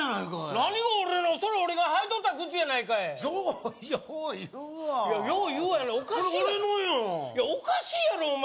何が俺のそれ俺が履いとった靴やないかいようよう言うわよう言うわやないおかしいやろこれ俺のやんいやおかしいやろお前